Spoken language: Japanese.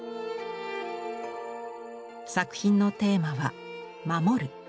作品のテーマは「守る」。